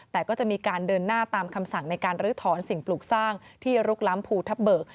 แต่ก็จะมีการเดินหน้าตามคำสั่งในการลื้อถอนสิ่งปลูกสร้างที่ลุกล้ำภูทับเบิก